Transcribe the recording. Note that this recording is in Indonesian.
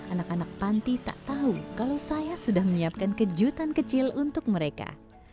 anak anak panti tak tahu kalau saya sudah menyiapkan kejutan kecil untuk mereka